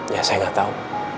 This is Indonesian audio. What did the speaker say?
ya saya gak tau